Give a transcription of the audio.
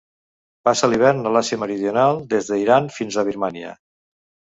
Passa l'hivern a l'Àsia Meridional des d'Iran fins a Birmània.